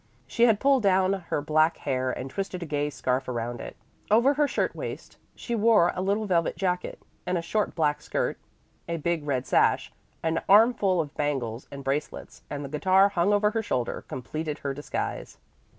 She had pulled down her black hair and twisted a gay scarf around it. Over her shirt waist she wore a little velvet jacket; and a short black skirt, a big red sash, an armful of bangles and bracelets, and the guitar hung over her shoulder, completed her disguise.